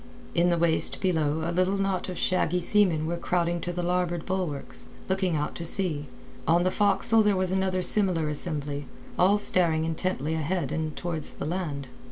In the waist below a little knot of shaggy seamen were crowding to the larboard bulwarks, looking out to sea; on the forecastle there was another similar assembly, all staring intently ahead and towards the land.